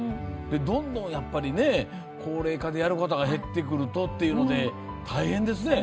どんどん、高齢化でやる方が減ってくるっていうので大変ですね。